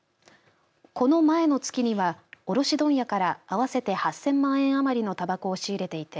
この前の月には卸問屋から合わせて８０００万円余りのたばこを仕入れていて